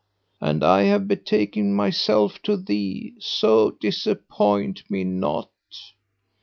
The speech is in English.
And I have betaken myself to thee; so disappoint me not."